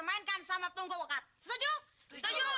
wah bagus banget presiden ewa